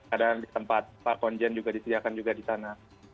ada di tempat pak konjen juga disediakan juga di sana